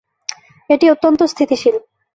এটি অত্যন্ত স্থিতিশীল।